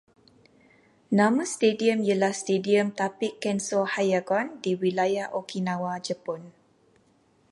Nama stadium ialah Stadium Tapic Kenso Hiyagon, di Wilayah Okinawa, Jepun